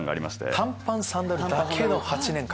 短パンサンダルだけの８年間？